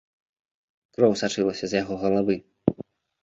Кроў сачылася з яго галавы.